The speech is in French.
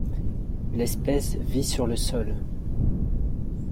L'espèce vit sur le sol.